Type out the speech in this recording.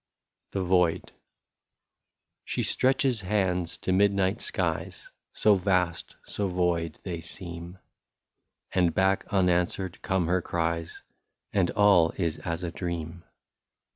*' lOO THE VOID. She stretches hands to midnight skies So vast, so void, they seem ; And back unanswered come her cries. And all is as a dream.